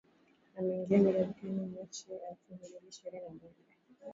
Ameingia madarakani Machi elfu mbili ishirini na moja